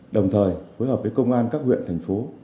đồng thời phối hợp với công an các huyện thành phố